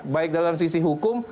baik dalam sisi hukum